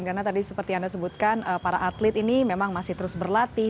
karena tadi seperti anda sebutkan para atlet ini memang masih terus berlatih